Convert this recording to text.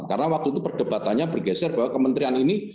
karena waktu itu perdebatannya bergeser bahwa kementerian ini